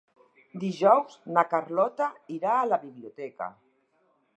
Dijous na Carlota irà a la biblioteca.